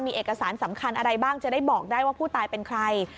มีเอกสารสำคัญอะไรบ้างจะได้บอกได้ว่าผู้ตายเป็นใคร